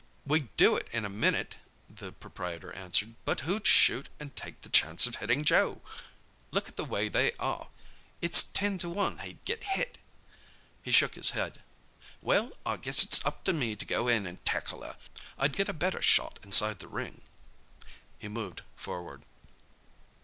"We'd do it in a minute," the proprietor answered. "But who'd shoot and take the chance of hitting Joe? Look at the way they are—it's ten to one he'd get hit." He shook his head. "Well, I guess it's up to me to go in and tackle her—I'd get a better shot inside the ring." He moved forward.